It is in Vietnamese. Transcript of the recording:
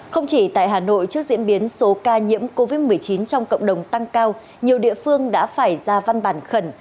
không chỉ tại hà nội trước diễn biến số ca nhiễm covid một mươi chín trong cộng đồng tăng cao nhiều địa phương đã phải ra văn bản khẩn